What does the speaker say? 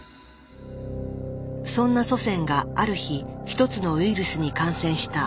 そんな祖先がある日一つのウイルスに感染した。